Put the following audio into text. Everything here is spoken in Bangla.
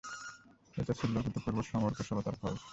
এটা ছিল অভূতপূর্ব সমর কুশলতার ফল।